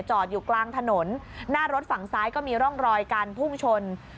อยู่กลางถนนหน้ารถฝั่งซ้ายก็มีร่องรอยการพุ่งชน